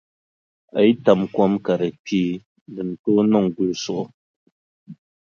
A yi tam kom ka di kpee di ni tooi niŋ gulisigu.